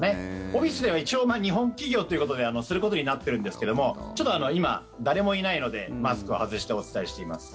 オフィスでは一応日本企業ということですることになってるんですけども今、誰もいないのでマスクを外してお伝えしています。